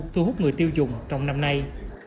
thu hút người tiêu dùng trong năm nay